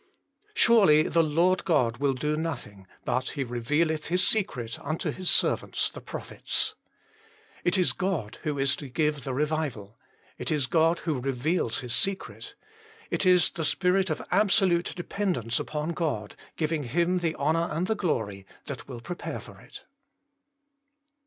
" Surely the Lord God will do nothing, but He revealeth His secret unto His servants the prophets." It is God who is to give the revival ; it is God who reveals His secret ; it is the spirit of absolute dependence upon God, giving Him the honour and the glory, that will prepare for it.